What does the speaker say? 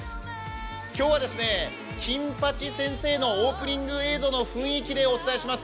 今日は「金八先生」のオープニング映像の雰囲気でお伝えします。